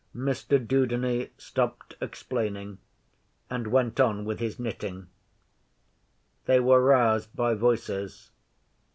Mr Dudeney stopped explaining, and went on with his knitting. They were roused by voices.